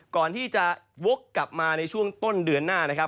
ก่อนที่จะวกกลับมาในช่วงต้นเดือนหน้านะครับ